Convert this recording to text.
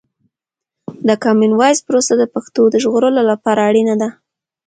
د کامن وایس پروسه د پښتو د ژغورلو لپاره اړینه ده.